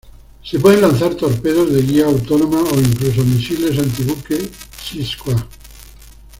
Se pueden lanzar torpedos de guía autónoma o incluso misiles antibuque Sea Skua.